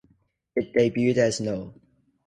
It debuted as no.